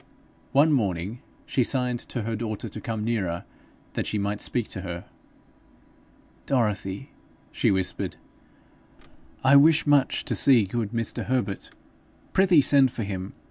One morning she signed to her daughter to come nearer that she might speak to her. 'Dorothy,' she whispered, 'I wish much to see good Mr. Herbert. Prithee send for him.